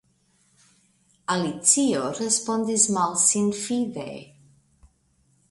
Alicio respondis malsinfide.